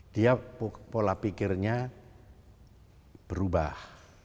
dia pola pikirnya berubah